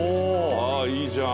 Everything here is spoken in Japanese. あぁいいじゃん。